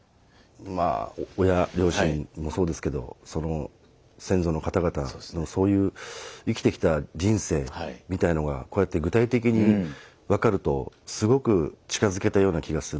まあ親両親もそうですけどその先祖の方々のそういう生きてきた人生みたいのがこうやって具体的に分かるとすごく近づけたような気がするんで。